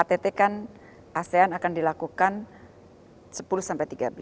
ktt kan asean akan dilakukan sepuluh sampai tiga belas